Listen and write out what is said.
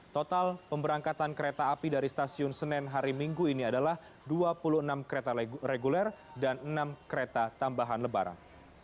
total pemberangkatan kereta api dari stasiun senen hari minggu ini adalah dua puluh enam kereta reguler dan enam kereta tambahan lebaran